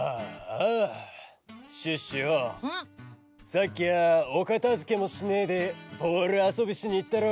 ・さっきはおかたづけもしねえでボールあそびしにいったろ！